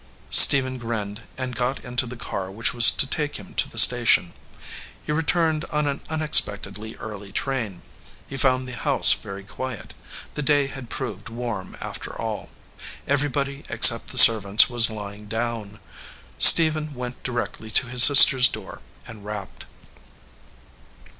Stephen grinned and got into the car which was to take him to the station. He returned on an un expectedly early train. He found the house very quiet. The day had proved warm, after all. Everybody except the servants was lying down. Stephen went directly to his sister s door and rapped.